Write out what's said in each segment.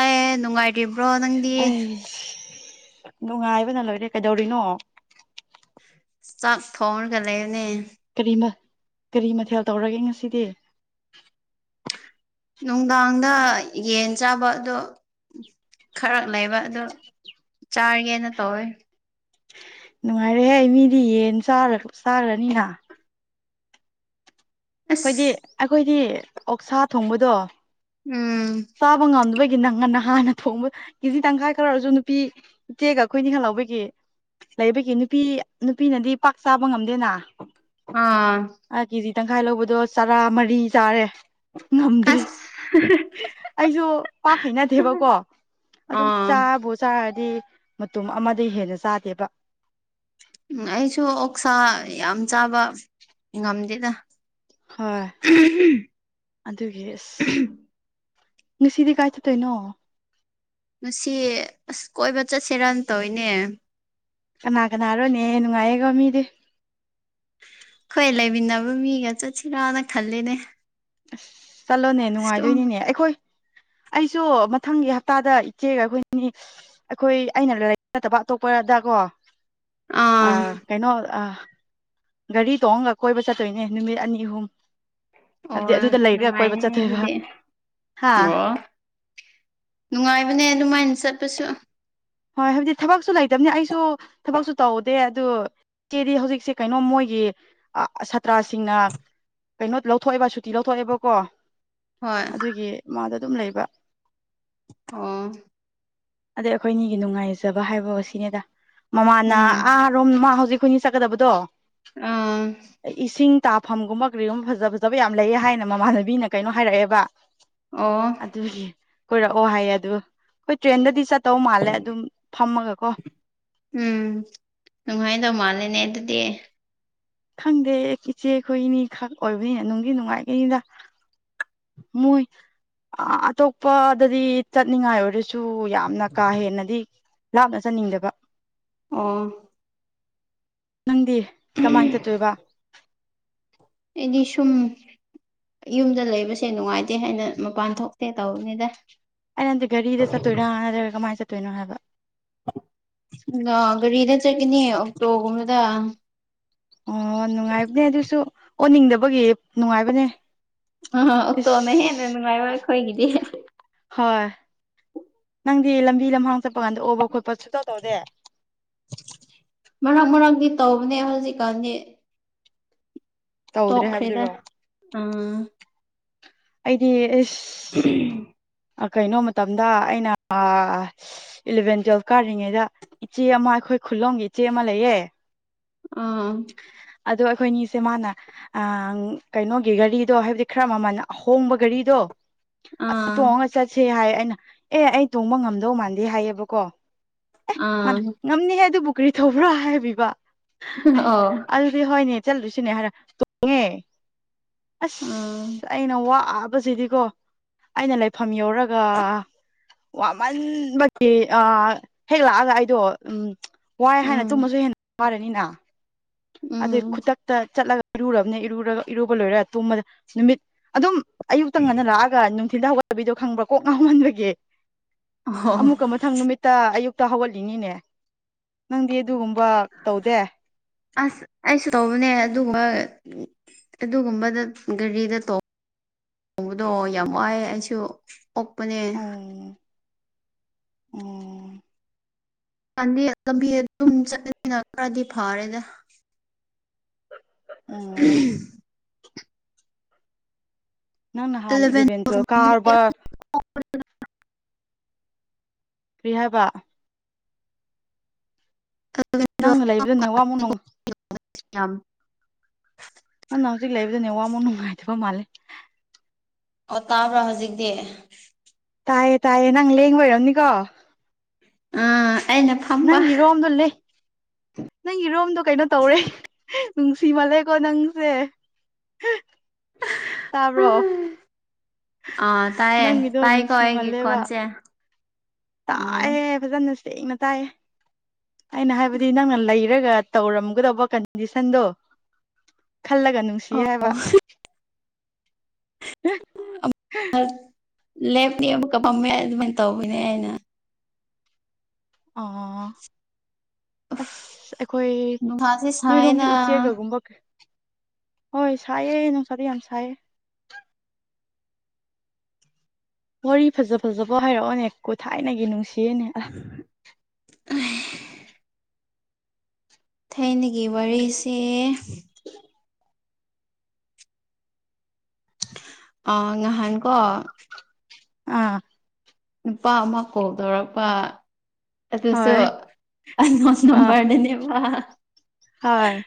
ꯑꯦ ꯅꯨꯡꯉꯥꯏ꯭ꯔꯤꯕ꯭ꯔꯣ ꯅꯪꯗꯤ ꯑꯩ ꯅꯨꯡꯉꯥꯏꯕꯅ ꯂꯣꯏꯔꯦ ꯀꯩꯗꯧꯔꯤꯅꯣ ꯆꯞ ꯐꯅꯒ ꯂꯩꯦꯅꯦ ꯀꯔꯤ ꯀꯔꯤ ꯃꯊꯦꯜ ꯇꯧꯔꯒꯦ ꯉꯁꯤꯗꯤ ꯅꯨꯡꯗꯥꯡꯗ ꯌꯦꯟ ꯆꯥꯕ ꯑꯗꯣ ꯈꯔ ꯂꯩꯕ ꯑꯗꯨ ꯆꯥꯒꯦꯅ ꯇꯧꯋꯦ ꯅꯨꯡꯉꯥꯏꯔꯦꯍꯦ ꯃꯤꯗꯤ ꯌꯦꯟ ꯆꯥꯈ꯭ꯔꯅꯤꯅ ꯍꯥꯏꯣꯏꯗꯤ ꯑꯁ ꯑꯩꯈꯣꯏꯗꯤ ꯑꯣꯛꯁꯥ ꯊꯣꯡꯕꯗꯣ ꯎꯝ ꯆꯥꯕ ꯉꯝꯗꯕꯒꯤ ꯅꯪ ꯉꯟꯅ ꯍꯥꯟꯅ ꯊꯣꯡꯕ ꯀꯦꯖꯤ ꯇꯪꯈꯥꯏ ꯈꯔ ꯑꯣꯏꯔꯁꯨ ꯅꯨꯄꯤ ꯏ ꯆꯦꯒ ꯑꯩꯈꯣꯏꯅꯤ ꯈ ꯂꯥꯎꯧꯕꯒꯤ ꯂꯩꯕꯒꯤ ꯅꯨꯄꯤ ꯅꯨꯄꯤꯅꯗꯤ ꯄꯥꯛ ꯆꯥꯕ ꯉꯝꯗꯦꯅ ꯑꯥ ꯀꯦꯖꯤ ꯇꯪꯈꯥꯏ ꯂꯧꯕꯗꯣ ꯆꯔꯥ ꯃꯔꯤ ꯇꯥꯔꯦ ꯉꯝꯗꯦ ꯑꯁ ꯑꯩꯁꯨ ꯄꯥꯛ ꯍꯩꯅꯗꯦꯕꯀꯣ ꯑꯗꯨꯝ ꯑꯥ ꯆꯥꯕ ꯆꯥꯔ ꯗꯤ ꯃꯇꯨꯝ ꯑꯃꯗ ꯍꯦꯟꯅ ꯆꯥꯗꯦꯕ ꯎꯝ ꯑꯩꯁꯨ ꯑꯣꯛꯁꯥ ꯌꯥꯝ ꯆꯥꯕ ꯉꯝꯗꯦꯗ ꯍꯣꯏ ꯑꯗꯨꯒꯤ ꯅꯁꯤꯗꯤ ꯀꯥꯏ ꯆ ꯇꯦ ꯅꯣ ꯉꯁꯤ ꯑꯁ ꯀꯣꯏꯕ ꯆꯠꯁꯦ ꯔꯟ ꯇꯧꯤꯅꯦ ꯀꯅꯥ ꯀꯅꯥꯔꯣꯅꯦ ꯅꯨꯡꯉꯥꯏꯌꯦꯀ ꯃꯤꯗꯤ ꯑꯩꯈꯣꯏ ꯂꯩꯃꯤꯟꯅꯕ ꯃꯤꯒ ꯆꯠꯁꯤꯔꯥꯅ ꯈꯜꯂꯤꯅꯦ ꯑꯁ ꯆꯠꯂꯣꯅꯦ ꯁꯨꯝ ꯅꯨꯡꯉꯥꯏꯗꯣꯏꯅꯤꯅꯦ ꯑꯩꯈꯣꯏ [unintelligible] ꯑꯩꯁꯨ ꯃꯊꯪꯒꯤ ꯍꯞꯇꯥꯗ ꯏꯆꯦꯒ ꯑꯩꯈꯣꯏꯅꯤ ꯑꯩꯈꯣꯏ ꯑꯩꯅ ꯂꯥꯏꯛ ꯅꯠꯇꯕ ꯑꯇꯣꯞꯄꯗꯀꯣ ꯑꯥ ꯑ ꯀꯩꯅꯣ ꯑ ꯒꯥꯔꯤ ꯇꯣꯡꯑꯒ ꯀꯣꯏꯕ ꯆꯠꯇꯣꯏꯅꯦ ꯅꯨꯃꯤꯠ ꯑꯅꯤ ꯑꯍꯨꯝ ꯑꯣ ꯍꯥꯏꯕꯗꯤ ꯑꯗꯨꯗ ꯂꯩꯔꯒ ꯀꯣꯏꯕ ꯅꯨꯡꯉꯥꯏꯅꯦ ꯆꯠꯇꯣꯏꯕ ꯑꯗꯨꯗꯤ ꯍꯥ ꯣ ꯅꯨꯡꯉꯥꯏꯕꯅꯦ ꯑꯗꯨꯃꯥꯏꯅ ꯆꯠꯄꯁꯨ ꯍꯣꯏ ꯍꯥꯏꯕꯗꯤ ꯊꯕꯛꯁꯨ ꯂꯩꯇꯕꯅꯤ ꯑꯩꯁꯨ ꯊꯕꯛꯁꯨ ꯇꯧꯗꯦ ꯑꯗꯨ ꯏ ꯆꯦꯗꯤ ꯍꯧꯖꯤꯛꯁꯦ ꯀꯩꯅꯣꯝ ꯃꯣꯏ ꯑꯩ ꯁꯥꯇ꯭ꯔꯥꯁꯤꯡꯅ ꯀꯩꯅꯣ ꯂꯧꯊꯣꯛꯑꯦꯕ ꯁꯨꯇꯤ ꯂꯧꯊꯣꯛꯑꯦꯕꯀꯣ ꯍꯣꯏ ꯑꯗꯨꯒꯤ ꯃꯥꯗ ꯑꯗꯨꯝ ꯂꯩꯕ ꯑꯣ ꯑꯗꯩ ꯑꯩꯈꯣꯏꯅꯤꯒꯤ ꯅꯨꯡꯉꯥꯏꯖꯕ ꯍꯥꯏꯕ ꯑꯁꯤꯅꯦꯗ ꯃꯃꯥꯅ ꯎꯝ ꯑꯥꯔꯣꯝ ꯃꯥ ꯍꯧꯖꯤꯛ ꯑꯩꯈꯏꯅꯤ ꯆꯠꯀꯗꯕꯗꯣ ꯑꯥ ꯏꯁꯤꯡ ꯇꯥꯐꯝꯒꯨꯝꯕ ꯀꯔꯤꯒꯨꯝꯕ ꯐꯖ ꯐꯖꯕ ꯌꯥꯝ ꯂꯩꯑꯦ ꯍꯥꯏꯅ ꯃꯃꯥꯟꯅꯕꯤꯅ ꯀꯩꯅꯣ ꯍꯥꯏꯔꯛꯑꯦꯕ ꯑꯣ ꯑꯗꯨꯒꯤ ꯀꯣꯏꯔꯛꯑꯣ ꯍꯥꯏꯌꯦ ꯑꯗꯨ ꯑꯩꯈꯣꯏ ꯇ꯭ꯔꯦꯟꯗꯗꯤ ꯆꯠ ꯎꯝ ꯅꯉꯥꯏꯗ ꯃꯥꯅꯅꯦ ꯑꯗꯨ ꯗ ꯈꯪꯗꯦ ꯏꯆꯦꯈꯣꯏ ꯏꯅꯤ ꯈꯛ ꯑꯣꯏꯕꯅꯤꯅꯦ ꯅꯨꯡꯒꯤ ꯅꯨꯡꯉꯥꯏꯈꯩꯅꯤꯗ ꯃꯣꯏ ꯑꯇꯣꯞꯄꯗꯗꯤ ꯆꯠꯅꯤꯡꯉꯥꯏ ꯑꯣꯏꯔꯁꯨ ꯁꯨ ꯌꯥꯝꯅ ꯀꯥ ꯍꯦꯟꯅꯗꯤ ꯂꯥꯞꯅ ꯆꯟꯅꯤꯡꯗꯕ ꯑꯥ ꯅꯪꯗꯤ ꯀꯃꯥꯏ ꯆꯠꯇꯣꯏꯕ ꯑꯩꯗꯤ ꯁꯨꯝ ꯌꯨꯝꯗ ꯂꯩꯕꯁꯦ ꯅꯨꯡꯉꯥꯏꯇꯦ ꯍꯥꯏꯅ ꯃꯄꯥꯟ ꯊꯣꯛꯇꯦ ꯇꯧꯕꯅꯤꯗ ꯑ ꯅꯪꯗꯤ ꯒꯥꯔꯤꯗ ꯆꯠꯇꯣꯏꯔꯥ ꯅꯠꯇ꯭ꯔꯒ ꯀꯃꯥꯏꯅ ꯆꯠꯇꯣꯏꯅꯣ ꯍꯥꯏꯕ ꯑ ꯒꯥꯔꯤꯗ ꯆꯠꯈꯤꯅꯤ ꯑꯣꯛꯇꯣꯒꯨꯝꯕꯗ ꯑꯣ ꯅꯨꯡꯉꯥꯏꯕꯅꯦ ꯑꯗꯨꯁꯨ ꯑꯣꯟꯅꯤꯡꯗꯕꯒꯤ ꯅꯨꯡꯉꯥꯏꯕꯅꯦ ꯑ ꯑꯣꯇꯣꯅ ꯍꯦꯟꯅ ꯏꯁ ꯅꯨꯡꯉꯥꯏꯔꯣꯏ ꯑꯩꯈꯣꯏꯒꯤꯗꯤ ꯍꯣꯏ ꯅꯪꯗꯤ ꯂꯝꯕꯤ ꯂꯝꯍꯥꯡ ꯆꯠꯄ ꯀꯥꯟꯗ ꯑꯣꯕ ꯈꯣꯠꯄ ꯄꯁꯨ ꯇ ꯇꯗ ꯃꯔꯛ ꯃꯔꯪꯗꯤ ꯇꯧꯕꯅꯦ ꯍꯧꯖꯤꯛꯀꯥꯟꯗꯤ ꯇꯧꯗ꯭ꯔꯦ ꯇꯣꯈꯩꯗ ꯍꯥꯏꯕꯗꯨꯔꯣ ꯎꯝ ꯑꯩꯗꯤ ꯐꯔꯤ ꯏꯁ ꯀꯩꯅꯣ ꯃꯇꯝꯗ ꯑꯩꯅ ꯏꯂꯚꯦꯟ ꯇꯨꯋꯦꯜꯕ ꯀꯥꯔꯤꯉꯩꯗ ꯏꯆꯦ ꯑꯃ ꯑꯩꯈꯣꯏ ꯑꯩꯈꯣꯏ ꯈꯨꯂꯣꯡꯝꯒꯤ ꯏꯆꯦ ꯑꯃ ꯂꯩꯌꯦ ꯑꯥ ꯑꯗꯣ ꯑꯩꯈꯣꯏꯅꯤꯁꯦ ꯃꯥꯅ ꯑ ꯀꯩꯅꯣꯒꯤ ꯘꯔꯤꯗꯣ ꯍꯥꯏꯕꯗꯤ ꯈꯔ ꯃꯃꯜ ꯑꯍꯣꯡꯕ ꯘꯔꯤꯗꯣ ꯑꯗꯨ ꯑꯥ ꯇꯣꯡꯉꯒ ꯆꯠꯁꯦ ꯍꯥꯏ ꯑꯩ ꯑꯩꯅ ꯑꯦ ꯑꯩ ꯇꯣꯡꯕ ꯉꯝꯗꯧ ꯃꯥꯟꯗꯦ ꯍꯥꯏꯌꯦꯕꯀꯣ ꯑꯦ ꯃꯥꯅ ꯑꯥ ꯉꯝꯅꯤ ꯍꯥꯏ ꯑꯗꯨꯕꯨ ꯀꯔꯤ ꯊꯧꯕ꯭ꯔꯥ ꯍꯥꯏꯕꯤꯕ ꯑ ꯆꯠ ꯍꯣꯏꯅꯦ ꯆꯠꯂꯨꯁꯤꯅꯦ ꯍꯥꯏꯔ ꯇꯣꯡꯉꯦ ꯎꯝ ꯑꯁ ꯑꯩꯅ ꯋꯥ ꯆꯕꯁꯤꯗꯤꯀꯣ ꯑꯩꯅ ꯂꯩꯐꯝ ꯌꯧꯔꯒ ꯋꯥꯃꯟꯕꯒꯤ ꯑ ꯍꯦꯛ ꯂꯥꯛꯑꯒ ꯑꯩꯗꯣ ꯎꯝ ꯋꯥꯏ ꯍꯥꯏꯅ ꯇꯨꯝꯃꯁꯨ ꯎꯝ ꯍꯦꯟꯅ ꯋꯥꯔꯅꯤꯅ ꯑꯗꯨ ꯎꯝ ꯈꯨꯗꯛꯇ ꯆꯠꯂꯒ ꯏꯔꯨꯔꯕꯅꯤ ꯏꯔꯨꯔꯒ ꯏꯔꯨꯕ ꯂꯣꯏꯔ ꯇꯨꯝꯕꯗ ꯅꯨꯃꯤꯠ ꯑꯗꯨꯝ ꯑꯌꯨꯛꯇꯪ ꯉꯟꯅ ꯂꯥꯛꯑꯒ ꯅꯨꯡꯊꯤꯟ ꯍꯧꯒꯠ ꯕꯤꯗꯣ ꯈꯪꯕ꯭ꯔꯥ ꯀꯣꯛ ꯉꯥꯎꯍꯟꯕꯒꯤꯦ ꯑꯣ ꯑꯃꯨꯛꯀ ꯃꯊꯪ ꯅꯨꯃꯤꯠꯇ ꯑꯌꯨꯛ ꯛꯇ ꯍꯧꯒꯠꯂꯤꯉꯤꯅꯦ ꯅꯪꯗꯤ ꯑꯗꯨꯒꯨꯝꯕ ꯇꯧꯗꯦ ꯑꯁ ꯑꯩꯁꯨ ꯇꯧꯕꯅꯦ ꯑꯗꯨꯒ ꯑꯗꯨꯒꯨꯝꯕꯗ ꯒꯥꯔꯤꯗ ꯇ ꯎꯣꯡꯕꯗꯣ ꯌꯥꯝ ꯋꯥꯏꯦ ꯑꯩꯁꯨ ꯑꯣꯛꯄꯅꯦ ꯎꯝ ꯎꯝ ꯆꯥꯟꯗꯤ ꯂꯝꯕꯤ ꯑꯗꯨꯝ ꯆꯠꯂꯅꯤꯅ ꯈꯔꯗꯤ ꯐꯥꯔꯦꯗ ꯎꯝ ꯅꯪ ꯍꯥꯟ ꯑꯦꯂꯚꯦꯟ ꯏꯕꯇꯣ ꯀꯔꯕꯥꯔ ꯄ꯭ꯔꯤꯍꯕ ꯅꯪꯅ ꯂꯩꯕꯗ ꯅꯋꯥꯃꯨꯛ ꯅꯣꯡ ꯌꯥꯝꯝ ꯅꯅ ꯍꯧꯖꯤꯛ ꯂꯩꯕꯗꯨꯅꯦ ꯋꯥꯃꯨꯛ ꯅꯨꯡꯉꯥꯏꯇꯕ ꯃꯥꯜꯂꯦ ꯑꯣ ꯇꯥꯕ꯭ꯔꯣ ꯍꯧꯖꯤꯛꯇꯤ ꯇꯥꯏꯌꯦ ꯇꯥꯏꯌꯦ ꯅꯪ ꯂꯦꯡꯕ ꯑꯣꯏꯔꯝꯅꯤꯀꯣ ꯑ ꯅꯪꯒꯤꯔꯣꯝꯗꯣ ꯂꯩ ꯅꯪꯒꯤꯔꯣꯝꯗꯣ ꯀꯩꯅꯣ ꯇꯧꯔꯦ ꯅꯨꯡꯁꯤꯕꯂꯦꯀꯣ ꯅꯪꯁꯦ ꯇꯔꯣ ꯑ ꯇꯥꯏꯌꯦ ꯇꯥꯏ ꯀꯑꯦꯒ ꯀꯣꯟꯁꯦ ꯇꯥꯏꯑꯌꯦ ꯐꯖꯅ ꯁꯦꯡꯅ ꯇꯥꯏꯌꯦ ꯑꯩꯅ ꯍꯥꯏꯕꯗꯤ ꯅꯪꯅ ꯂꯩꯔꯒ ꯇꯧꯔꯝꯒꯗꯧꯕ ꯀꯟꯗꯤꯁꯟꯗꯣ ꯈꯜꯂꯒ ꯅꯨꯡꯁꯤ ꯍꯥꯏꯕ [unintelligible] ꯂꯦꯞꯅꯦꯕ ꯀꯄꯃꯦꯏ ꯑꯗꯨꯃꯥꯏꯅ ꯇꯧꯕꯅꯦ ꯑꯩꯅ ꯑꯥ ꯑꯁ ꯑꯩꯈꯣꯏ ꯅꯨꯡꯁꯥꯁꯦ ꯅꯣꯏꯔꯣꯝꯗꯤ ꯁꯥꯏꯅ ꯎ ꯎꯆꯦꯒꯒꯨꯝꯕ ꯀ ꯍꯣꯏ ꯁꯥꯏꯌꯦ ꯅꯨꯡꯁꯥꯗꯤ ꯌꯥꯝ ꯁꯥꯏꯌꯦ ꯋꯥꯔꯤ ꯐꯖ ꯐꯖꯕ ꯍꯥꯏꯔꯛꯑꯣꯅꯦ ꯀꯣ ꯊꯥꯏꯅꯒꯤ ꯅꯨꯡꯁꯤꯌꯦꯅꯦ ꯑ ꯊꯥꯏꯅꯒꯤ ꯋꯥꯔꯤꯁꯦ ꯑ ꯉꯍꯥꯟꯀꯣ ꯑꯥ ꯅꯨꯄꯥ ꯑꯃ ꯀꯣꯜ ꯇꯧꯔꯛꯄ ꯑꯗꯨꯁꯨ ꯍꯣꯏ ꯑ ꯑꯥ ꯅꯝꯕꯔꯗꯅꯦ ꯋꯥ ꯍꯣꯏ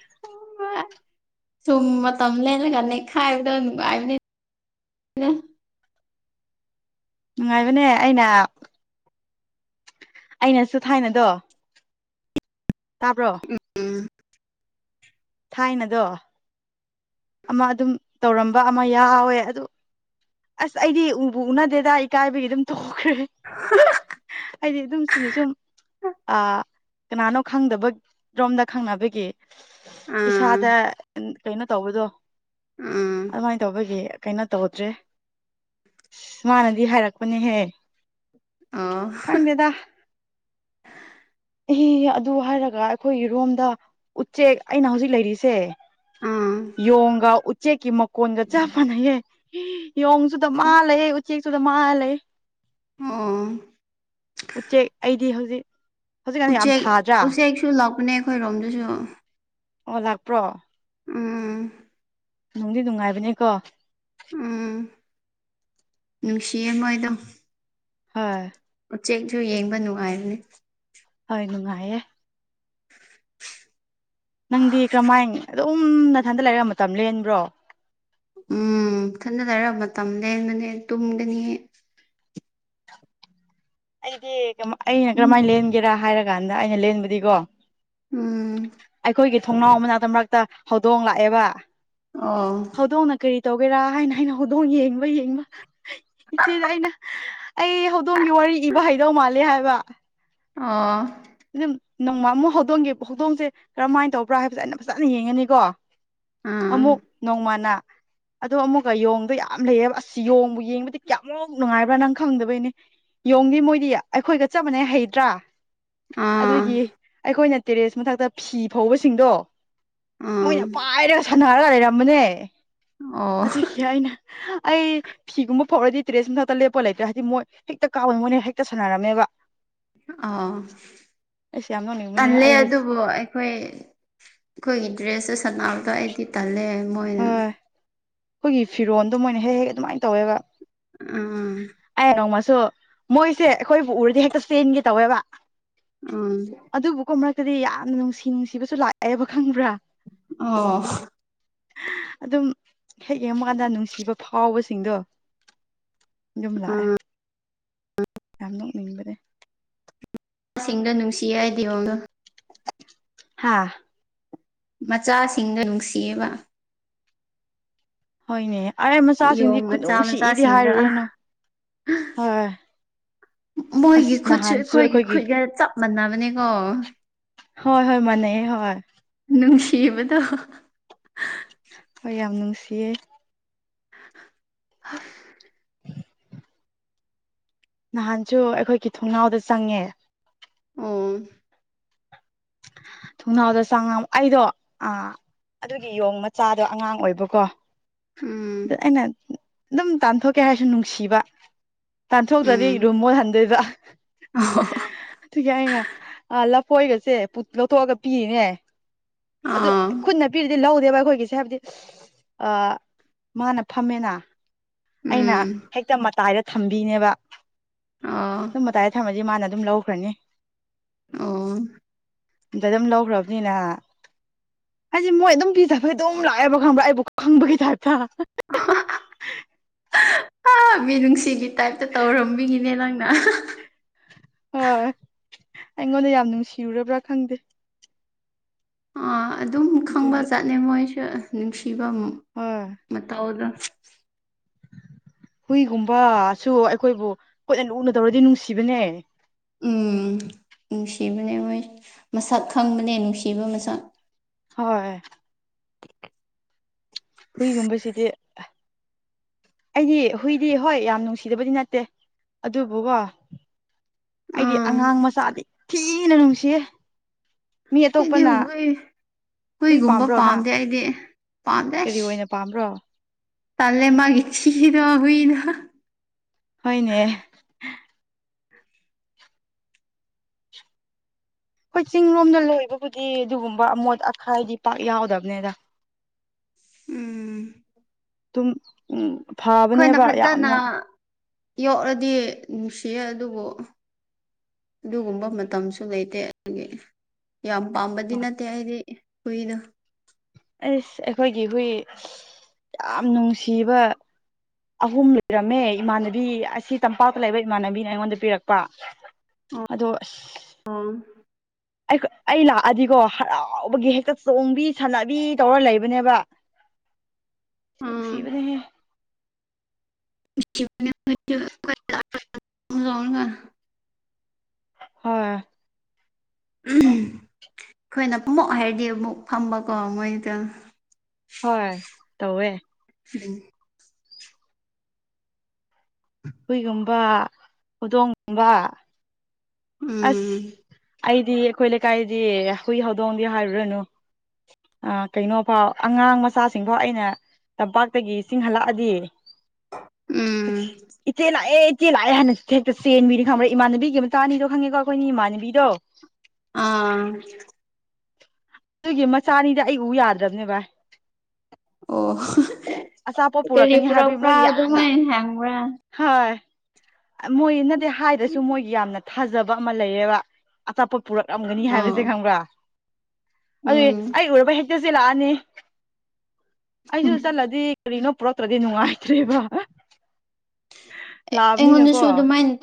ꯁꯨꯝ ꯃꯇꯝ ꯂꯩꯔꯒ ꯅꯦꯛ ꯈꯥꯏꯕꯗꯧ ꯥꯏꯕꯅꯤ ꯅꯨꯡꯉꯥꯏꯕꯅꯦ ꯑꯩꯅ ꯑꯩꯅꯁꯨ ꯊꯥꯏꯅꯗꯣ ꯇꯥꯕ꯭ꯔꯣ ꯎꯝ ꯊꯥꯏꯅꯗꯣ ꯑꯃ ꯑꯗꯨꯝ ꯇꯧꯔꯝꯕ ꯑꯃ ꯌꯥꯎꯋꯦ ꯑꯗꯨ ꯑꯁ ꯑꯩꯗꯤ ꯎꯕꯨ ꯎꯅꯗꯦꯗ ꯏꯀꯥꯏꯕꯒꯤ ꯑꯗꯨꯝ ꯇ ꯊꯣꯛꯈ꯭ꯔꯦ [inaudible] ꯑꯩꯗꯤ ꯑꯗꯨꯝ ꯁꯨꯝ ꯁꯨꯝ ꯑ ꯀꯅꯥꯅꯣ ꯈꯪꯗꯕ ꯔꯣꯝꯗ ꯈꯪꯅꯕꯒꯤ ꯑꯥ ꯏꯁꯥꯗ ꯀꯩꯅꯣ ꯇꯧꯕꯗꯣ ꯎꯝ ꯑꯗꯨꯃꯥꯏꯅ ꯇꯧꯕꯒꯤ ꯀꯩꯅꯣ ꯇꯧꯗ꯭ꯔꯦ ꯑ ꯃꯥꯅꯗꯤ ꯍꯥꯏꯔꯛꯄꯅꯦꯍꯦ ꯑꯣ ꯈꯪꯗꯦꯗ [inaudible] ꯏꯍ ꯑꯗꯨ ꯍꯥꯏꯔꯒ ꯑꯩꯈꯣꯏꯒꯤꯔꯣꯝꯗ ꯎꯆꯦꯛ ꯑꯩꯅ ꯍꯧꯖꯤꯛ ꯂꯩꯔꯤꯁꯦ ꯑꯥ ꯌꯣꯒꯥ ꯎꯆꯦꯛꯀꯤ ꯃꯀꯣꯟꯒ ꯆꯞ ꯃꯅꯌꯦꯦ ꯌꯦꯣꯡꯁꯨꯗ ꯃꯥꯂꯌꯦꯦ ꯎꯆꯦꯛꯁꯨꯗ ꯃꯥꯂ ꯑꯣ ꯎꯆꯦꯛ ꯑꯩꯗꯤ ꯍꯧꯖꯤꯛ ꯍꯧꯖꯤꯛꯀꯥꯟ ꯌꯥꯝ ꯎꯆꯦꯛ ꯁꯥꯗ꯭ꯔꯥ ꯎꯆꯦꯛꯁꯨ ꯂꯥꯛꯄꯅꯦ ꯑꯩꯈꯣꯏꯔꯣꯝꯗꯁꯨ ꯑꯣ ꯂꯥꯛꯄ꯭ꯔꯣ ꯎꯝ ꯅꯨꯡꯗꯤ ꯅꯨꯡꯉꯥꯏꯕꯅꯦꯀꯣ ꯎꯝ ꯅꯨꯡꯁꯤꯌꯦꯃꯣꯏꯗꯝ ꯍꫭꯏ ꯎꯆꯦꯛꯁꯨ ꯌꯦꯡꯕ ꯅꯨꯡꯉꯥꯏꯔꯅꯦ ꯍꯣꯏ ꯅꯨꯡꯉꯥꯏꯌꯦꯦ ꯅꯪꯗꯤ ꯀꯔꯝꯍꯥꯏ ꯑꯗꯨꯝ ꯅꯊꯟꯗ ꯂꯩꯔꯛ ꯃꯇꯝ ꯂꯦꯟꯕ꯭ꯔꯣ ꯎꯝ ꯊꯟꯅꯗꯔꯕ ꯃꯇꯝ ꯂꯅꯅꯦ ꯇꯨꯝꯒꯅꯤ ꯑꯩꯗꯤ ꯑꯩꯅ ꯎꯝ ꯀꯔꯝꯍꯥꯏꯅ ꯂꯦꯟꯒꯦꯔꯥ ꯍꯥꯏꯔ ꯀꯥꯟꯗ ꯑꯩꯅ ꯂꯦꯟꯕꯗꯤꯀꯣ ꯎꯝ ꯑꯩꯈꯣꯏꯒꯤ ꯊꯣꯡꯅꯥꯎ ꯃꯅꯥꯛꯇ ꯃꯔꯛꯇ ꯍꯧꯗꯣꯡ ꯂꯥꯛꯑꯦꯕ ꯑꯣ ꯍꯧꯗꯣꯡꯅ ꯀꯔꯤ ꯇꯧꯒꯦꯔꯥ ꯍꯥꯏꯅ ꯑꯩꯅ ꯍꯧꯗꯣꯡ ꯌꯦꯡꯕ ꯌꯦꯡꯕ ꯏꯆꯦꯗ ꯑꯩꯅ ꯑꯩ ꯍꯧꯗꯣꯡꯒꯤ ꯋꯥꯔꯤ ꯏꯕ ꯍꯩꯗꯧ ꯃꯥꯜꯂꯦ ꯍꯥꯏꯕ ꯑꫭ ꯑꯗꯨꯝ ꯅꯣꯡꯃ ꯑꯃꯨꯛ ꯍꯧꯗꯣꯡꯒꯦ ꯍꯧꯗꯣꯡꯁꯦ ꯀꯔꯝꯍꯥꯏꯅ ꯇꯧꯕ꯭ꯔꯥ ꯍꯥꯏꯕꯁꯦ ꯑꯩꯅ ꯐꯖꯅ ꯌꯦꯡꯉꯅꯤꯀꯣ ꯑꯥ ꯑꯃꯨꯛ ꯅꯣꯡꯃꯅ [inaudible] ꯑꯗꯣ ꯑꯃꯨꯛꯀ ꯌꯦꯣꯡꯗꯣ ꯌꯥꯝ ꯂꯩꯌꯦꯕ ꯑꯁ ꯌꯣꯡꯕꯨ ꯌꯦꯡꯕꯗꯤ ꯀꯌꯥꯃꯨꯛ ꯅꯨꯡꯉꯥꯏꯕ꯭ꯔꯥ ꯅꯪ ꯈꯪꯗꯕꯩꯅꯦ ꯌꯣꯡꯗꯤ ꯃꯣꯏꯗꯤ ꯑꯩꯈꯣꯏꯒ ꯆꯕꯅꯦ ꯍꯩꯇ꯭ꯔꯥ ꯑꯥ ꯑꯗꯨꯒꯤ ꯑꯩꯈꯣꯏꯅ ꯇꯦꯔꯦꯁ ꯃꯊꯛꯇ ꯐꯤ ꯐꯧꯕꯁꯤꯡꯗꯣ ꯑꯥ ꯃꯣꯏꯅ ꯄꯥꯏꯔꯒ ꯁꯥꯟꯅꯔꯒ ꯂꯩꯔꯝꯕꯅꯦ ꯑꯣ ꯑꯗꯨꯒꯤ ꯑꯩꯅ ꯑꯩ ꯐꯤꯒꯨꯝꯕ ꯐꯥꯎꯔꯗꯤ ꯇ꯭ꯔꯦꯁ ꯃꯊꯛꯇ ꯂꯦꯞꯄ ꯂꯩꯇ꯭ꯔꯦ ꯍꯥꯏꯗꯤ ꯃꯣꯏ ꯍꯦꯛꯇ ꯀꯥꯕꯅꯤ ꯃꯣꯏꯅ ꯍꯦꯛꯇ ꯁꯥꯟꯅꯔꯝꯃꯦꯕ ꯑꯥ ꯑꯩꯁ ꯌꯥꯝ ꯅꯣꯛꯅꯤꯡꯕꯅꯦ ꯄꯜꯂꯦ ꯑꯩ ꯍꯧꯖꯤꯛ ꯑꯗꯨꯕꯨ ꯑꯩꯈꯣꯏ ꯑꯩꯈꯣꯏꯒꯤ ꯗ꯭ꯔꯦꯁ ꯁꯅꯥꯎꯗꯣ ꯑꯩꯗꯤ ꯇꯜꯂꯦ ꯃꯣꯏꯅ ꯍꯣꯏ ꯑꯩꯈꯣꯏꯒꯤ ꯐꯤꯔꯣꯟꯜꯗꯣ ꯃꯣꯏꯅ ꯍꯦꯛ ꯍꯦꯛ ꯑꯗꯨꯃꯥꯏꯅ ꯇꯧꯋꯦꯕ ꯎꯝ ꯑꯩ ꯅꯃ ꯁꯣ ꯃꯣꯏꯁꯦ ꯑꯩꯈꯣꯏꯕꯨ ꯎꯔꯗꯤ ꯍꯦꯛꯇ ꯆꯦꯟꯒꯦ ꯇꯧꯋꯦꯕ ꯑꯥ ꯗꯤ ꯌꯥꯝꯅ ꯅꯨꯡꯁꯤ ꯅꯨꯡꯁꯤꯕꯁꯨ ꯂꯥꯛꯑꯦꯕ ꯈꯪꯕ꯭ꯔꯥ ꯑ ꯑꯗꯨꯝ ꯍꯦꯛ ꯌꯦꯡꯉꯀꯥꯟꯗ ꯅꯨꯡꯁꯤꯕ ꯐꯥꯎꯕꯁꯤꯡꯗꯣ ꯖꯨꯝꯂꯥ ꯑꯦ ꯎꯝ ꯌꯥꯝ ꯅꯣꯛꯅꯤꯡꯕꯅꯦ ꯑꯁꯤꯡꯗ ꯅꯨꯡꯁꯤ ꯌꯥꯏꯗꯤꯑꯣꯡꯅ ꯍꯥꯥ ꯃꯆꯥꯁꯤꯡꯗ ꯅꯨꯡꯁꯤꯌꯦꯕ ꯍꯣꯏꯅꯦ ꯑꯩ ꯃꯆꯥꯁꯤꯡꯗꯤ ꯌꯣꯡ ꯃꯆꯥ ꯈꯨꯅꯨꯡꯁꯤꯗꯤ ꯃꯆꯥꯁꯤꯡꯗ ꯍꯥꯏꯔꯨꯔꯅꯨ ꯍꯣꯏ ꯑꯁ ꯃꯣꯏꯒꯤ ꯈꯨꯠꯁꯨ ꯅꯍꯥꯟꯁꯨ ꯑꯩꯈꯣꯏꯒꯤ ꯈꯨꯠꯒ ꯆꯞ ꯃꯥꯟꯅꯕꯅꯦꯀꯣ ꯍꯣꯏ ꯍꯣꯏ ꯃꯅꯦ ꯍꯣꯏ ꯅꯨꯡꯁꯤꯕꯗꯣ ꯍꯣꯏ ꯌꯥꯝ ꯅꯨꯡꯁꯤꯌꯦ ꯍ ꯅꯍꯥꯟꯁꯨ ꯑꯩꯈꯣꯏꯒꯤ ꯊꯣꯡꯅꯥꯎꯗ ꯆꯪꯉꯦ ꯑꯣ ꯊꯣꯡꯅꯥꯎꯗ ꯆꯥꯡꯉꯥꯡ ꯑꯩꯗꯣ ꯑꯥ ꯑꯗꯨꯒꯤ ꯌꯣꯡ ꯃꯆꯥꯗꯣ ꯑꯉꯥꯡ ꯑꯣꯏꯕꯀꯣ ꯎꯝ ꯑꯗꯨ ꯑꯩꯅ ꯑꯗꯨꯝ ꯇꯥꯟꯊꯣꯛꯀꯦ ꯍꯥꯏꯔꯁꯨ ꯅꯨꯡꯁꯤꯕ ꯇꯥꯟꯊꯣꯛꯇ꯭ꯔꯗꯤ ꯎꯝ ꯑꯗꯨꯝ ꯃꯣꯠꯍꯟꯗꯣꯏꯕ ꯑꯣ ꯑꯗꯨꯒꯤꯩꯅ ꯍꯣꯏꯒꯁꯦ ꯂꯧꯊꯣꯛꯑꯒ ꯄꯤꯔꯤꯅꯦ ꯑꯗꯨ ꯑꯥ ꯈꯨꯠꯅ ꯄꯤꯔꯗꯤ ꯂꯧꯗꯦꯕ ꯑꯩꯈꯣꯏꯒꯤꯁꯦ ꯍꯥꯏꯕꯗꯤ ꯑ ꯃꯥꯅ ꯐꯝꯃꯦꯅ ꯑꯩꯅ ꯎꯝ ꯍꯦꯛꯇ ꯃꯇꯥꯏꯗ ꯊꯝꯕꯤꯅꯦꯕ ꯑꯣ ꯑꯗꯨꯝ ꯃꯇꯥꯏꯗ ꯊꯝꯃꯁꯤ ꯃꯥꯥꯟꯅ ꯑꯗꯨꯝ ꯂꯧꯈ꯭ꯔꯅꯤ ꯑꯣ ꯑꯗꯩ ꯑꯗꯨꯝ ꯂꯧꯈ꯭ꯔꯕꯅꯤꯅ ꯍꯥꯏꯗꯤ ꯃꯣꯏ ꯑꯗꯨꯝ ꯄꯤꯖꯐꯩ ꯑꯗꯨꯝ ꯂꯥꯛꯑꯦꯕ ꯈꯪꯕ꯭ꯔꯥ ꯑꯩꯕꯨ ꯈꯪꯕꯒꯤ ꯑ ꯑ ꯃꯤ ꯅꯨꯡꯁꯤꯒꯤ ꯇꯥꯏꯞꯇ ꯇꯧꯔꯝꯕꯤꯒꯤꯅꯦ ꯅꯪꯅ ꯍꫭꯏ ꯑꯩꯉꯣꯟꯗ ꯌꯥꯝ ꯅꯨꯡꯁꯤꯔꯨꯔꯕ꯭ꯔꯥ ꯈꯪꯗꯦ ꯑꯗꯨꯝ ꯈꯪꯕ ꯑꯗꯨꯒꯤ ꯆꯥꯠꯅꯤ ꯃꯣꯏꯁꯨ ꯅꯨꯡꯁꯤꯕ ꯍꯣꯏ ꯃꯇꯧꯗ ꯍꯨꯏꯒꯨꯝꯕꯁꯨ ꯑꯩꯈꯣꯏꯕꯨ ꯀꯣꯏꯅ ꯂꯨꯅ ꯇꯧꯔꯗꯤ ꯅꯨꯡꯁꯤꯕꯅꯦ ꯎꯝ ꯅꯨꯡꯁꯤꯕꯅꯦ ꯃꯣꯏ ꯃꯁꯛ ꯈꯪꯕꯅꯦ ꯅꯨꯡꯁꯤꯕ ꯃꯁꯛ ꯍꯣꯏ ꯍꯨꯏꯒꯨꯝꯕꯁꯤꯗꯤ ꯑꯩꯗꯤ ꯍꯨꯏꯗꯤ ꯍꯣꯏ ꯌꯥꯝ ꯅꯨꯡꯁꯤꯗꯕꯗꯤ ꯅꯠꯇꯦ ꯑꯗꯨꯕꯨꯀꯣ ꯑꯩꯗꯤ ꯑꯥ ꯑꯉꯥꯡ ꯃꯆꯥꯗꯤ ꯊꯤꯅ ꯅꯨꯡꯁꯤꯌꯦ ꯃꯤ ꯑꯇꯣꯞꯄꯅ ꯍꯨꯏ ꯍꯣꯏꯒꯨꯝꯕ ꯄꯥꯝꯕ꯭ꯔꯣ ꯅꯪ ꯄꯥꯝꯗꯗꯤ ꯀꯔꯤ ꯄꯥꯝꯗꯁ ꯑꯣꯏꯅ ꯄꯥꯝꯕ꯭ꯔꯣ ꯇꯜꯂꯤ ꯃꯥꯒꯤ ꯊꯤꯗꫭ ꯍꯣꯏꯅꯦ ꯑꯩꯈꯣꯏ ꯆꯤꯡ ꯂꯣꯝꯗ ꯂꯣꯏꯕꯕꯨꯗꯤ ꯑꯗꯨꯒꯨꯝꯕ ꯑꯃꯣꯠ ꯑꯀꯥꯏꯗꯤ ꯄꯥꯛ ꯌꯥꯎꯗꯕꯅꯦꯗ ꯎꯝ ꯑꯗꯨꯝ ꯎ ꯑꯩꯈꯣꯏꯅ ꯐꯕꯅꯦꯕ ꯐꯖꯅ ꯌꯥꯝꯅ ꯌꯣꯛꯂꯗꯤ ꯅꯨꯡꯁꯤꯌꯦ ꯑꯗꯨꯕꯨ ꯑꯗꯨꯒꯨꯝꯕ ꯃꯇꯝꯁꯨ ꯂꯩꯇꯦ ꯑꯗꯨꯒꯤ ꯌꯥꯝ ꯄꯥꯝꯕꯗꯤ ꯅꯠꯇꯦ ꯍꯥꯏꯗꯤ ꯀꯨꯏꯗꯣ ꯑꯁ ꯑꯩꯈꯣꯏꯒꯤ ꯍꯨꯏ ꯌꯥꯝ ꯅꯨꯡꯁꯤꯕ [unintelligible] ꯑꯍꯨꯝ ꯂꯩꯔꯝꯃꯦ ꯏꯃꯥꯟꯅꯕꯤ ꯑꯁꯤ ꯇꯝꯄꯥꯛꯇ ꯂꯩꯕ ꯏꯃꯥꯟꯅꯕꯤꯅ ꯑꯩꯉꯣꯟꯗ ꯄꯤꯔꯛꯄ꯭ꯔ ꯑꯗ ꯑꯥ ꯑꯩ ꯑꯩ ꯂꯥꯛꯑꯗꯤꯀꯣ ꯍꯔꯥꯎꯕꯒꯤ ꯍꯦꯛꯇ ꯆꯣꯡꯕꯤ ꯁꯥꯟꯅꯕꯤ ꯇꯧꯔ ꯂꯩꯕꯅꯦꯕ [unintelligible] ꯎꯝ ꯅꯨꯡꯁꯤꯕꯅꯦ ꯒ ꯍꯣꯏ ꯑꯩꯈꯣꯏꯅ ꯐꯝꯃꯛ ꯍꯥꯏꯔꯗꯤ ꯑꯃꯨꯛ ꯐꯝꯕꯀꯣ ꯃꯣꯏꯗ ꯍꯣꯏ ꯇꯧꯋ ꯎ ꯍꯨꯏꯒꯨꯝꯕ ꯍꯧꯗꯣꯡꯒꯨꯝꯕ ꯑꯁ ꯎꯝ ꯑꯩꯗꯤ ꯑꯩꯈꯣꯏ ꯂꯩꯀꯥꯏꯗꯤ ꯍꯨꯏ ꯍꯧꯗꯣꯡꯗꯤ ꯍꯥꯏꯔꯨꯔꯅꯨ ꯑ ꯀꯩꯅꯣꯐꯥꯎ ꯑꯉꯥꯡ ꯃꯆꯥꯁꯤꯡꯐꯣ ꯑꯩꯅ ꯇꯝꯄꯥꯛꯇꯒꯤ ꯆꯤꯡꯍꯜꯂꯛꯑꯗꯤ ꯎꯝ ꯆꯦꯜ ꯂꯥꯛꯑꯦ ꯏ ꯆꯦꯜ ꯂꯥꯛꯑꯦ ꯍꯥꯏꯅ ꯍꯦꯛꯇ ꯆꯦꯟꯕꯤꯅꯤ ꯈꯪꯕ꯭ꯔꯦ ꯏꯃꯥꯟꯅꯕꯤꯒꯤ ꯃꯆꯥꯅꯤꯗꯣ ꯈꯪꯉꯦꯀꯣ ꯑꯩꯈꯣꯏꯒꯤ ꯏꯃꯥꯟꯅꯕꯤꯗꯣ ꯑꯥ ꯑꯗꯨꯒꯤ ꯃꯆꯥꯅꯤꯗꯤ ꯑꯩ ꯎ ꯌꯥꯗ꯭ꯔꯕꯅꯦ ꯚꯥꯏ ꯑꯆꯥꯄꯣꯠ ꯑꯣ ꯄꯨꯔꯛꯀꯅꯤ ꯦꯔꯤꯄꯨꯔꯥ ꯍꯥꯏꯕꯒꯤ ꯄꯨꯔꯥ ꯃꯣꯏ ꯌꯥꯝꯅ ꯑꯗꯨꯃꯥꯏ ꯍꯦꯡ꯭ꯔꯥ ꯍꯣꯏ ꯃꯣꯏꯅꯗꯤ ꯍꯥꯏꯗꯁꯨ ꯃꯣꯏꯒꯤ ꯌꯥꯝꯅ ꯊꯥꯖꯕ ꯑꯃ ꯂꯩꯌꯦꯕ ꯑꯇꯣꯞꯄ ꯄꯨꯔꯛꯂꯝꯒꯅꯤ ꯑꯣ ꯍꯥꯏꯕꯁꯦ ꯈꯪꯕ꯭ꯔꯥ ꯑꯗꯨ ꯎꯝ ꯑꯩ ꯎꯔꯕ ꯍꯦꯛꯇꯁꯤ ꯂꯥꯛꯑꯅꯤ ꯑꯩꯁꯨ ꯆꯠꯂꯗꯤ ꯀꯔꯤꯅꯣ ꯄꯨꯔꯛꯇ꯭ꯔꯗꯤ ꯅꯨꯡꯉꯥꯏꯇ꯭ꯔꯦꯕ ꯂꯥꯛꯑꯕꯅꯤꯅꯀꯣ ꯑꯩꯉꯣꯟꯗꯁꯨ ꯑꯗꯨꯃꯥꯏꯅ